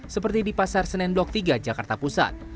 seperti di pasar senendok tiga jakarta pusat